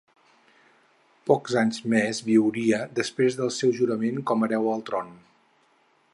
Pocs anys més viuria després del seu jurament com a hereu al tron.